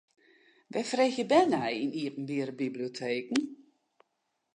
Wêr freegje bern nei yn iepenbiere biblioteken?